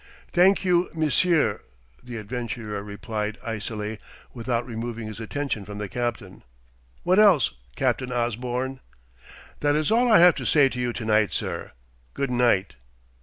"Thank you, monsieur," the adventurer replied icily, without removing his attention from the captain. "What else, Captain Osborne?" "That is all I have to say to you to night, sir. Good night."